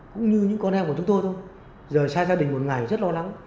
cũng như những con em của chúng tôi thôi rời xa gia đình một ngày rất lo lắng